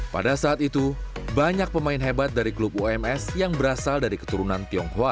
pada saat itu banyak pemain hebat dari klub ums yang berasal dari keturunan tionghoa